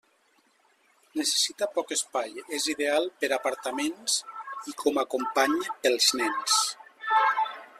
Necessita poc espai, és ideal per apartaments i com a company pels nens.